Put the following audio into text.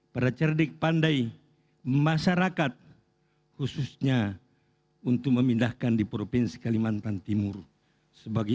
para cerdik pandai masyarakat khususnya untuk memindahkan di provinsi kalimantan timur sebagai